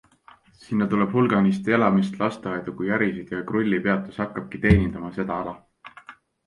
Sinna tuleb hulganisti elamist, lasteaedu kui ärisid ja Krulli peatus hakkabki teenindama seda ala.